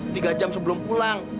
tiga jam sebelum pulang